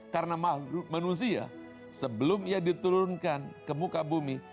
karena manusia sebelum ia diturunkan ke muka bumi